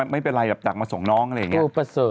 ไม่เป็นไรแบบตักมาส่งน้องอะไรอย่างนี้